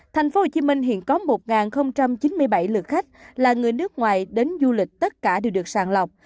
thành phố hồ chí minh hiện có một chín mươi bảy lượt khách là người nước ngoài đến du lịch tất cả đều được sàn lọc